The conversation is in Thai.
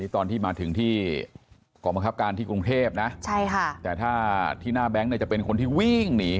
ตอนที่มาถึงที่กองบังคับการที่กรุงเทพนะใช่ค่ะแต่ถ้าที่หน้าแบงค์เนี่ยจะเป็นคนที่วิ่งหนี